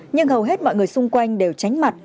nhưng hầu hết mọi người xung quanh đều tránh mặt